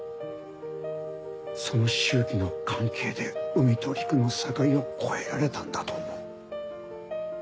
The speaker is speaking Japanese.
その周期の関係で海と陸の境を越えられたんだと思う。